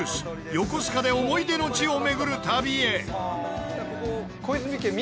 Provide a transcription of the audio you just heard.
横須賀で思い出の地を巡る旅へ。